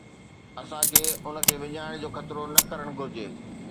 اسان کي ان کي وڃائڻ جو خطرو نه ڪرڻ گهرجي.